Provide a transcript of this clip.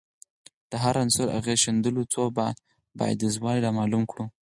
د هر عنصر اغېز ښندلو څو بعدیزوالی رامعلوم کړو